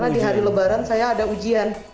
karena di hari lebaran saya ada ujian